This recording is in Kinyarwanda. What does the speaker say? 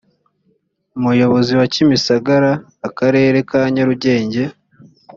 umuyobozi wa kimisagara akarere ka nyarugenge